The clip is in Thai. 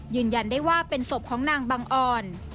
ยืนยันได้ว่าเป็นศพของนางบังออน